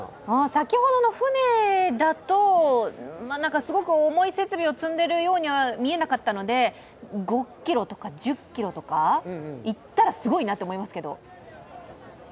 先ほどの舟だとすごく重い設備を積んでいるようには見えなかったので５ｋｍとか、１０ｋｍとか、行ったらすごいなと思いますけど。